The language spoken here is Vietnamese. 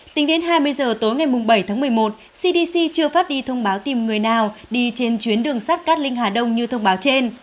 tính đến hai mươi giờ tối ngày bảy tháng một mươi một cdc chưa phát đi thông báo tìm người nào đi trên chuyến đường sắt cát linh hà đông như thông báo trên